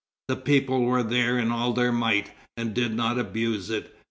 The people were there in all their might, and did not abuse it.